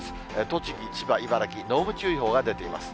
栃木、千葉、茨城、濃霧注意報が出ています。